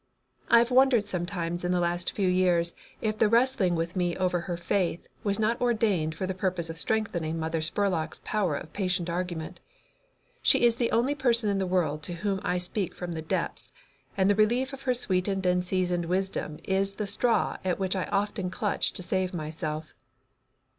I have wondered sometimes in the last few years if the wrestling with me over her faith was not ordained for the purpose of strengthening Mother Spurlock's powers of patient argument. She is the only person in the world to whom I speak from the depths, and the relief of her sweetened and seasoned wisdom is the straw at which I often clutch to save myself.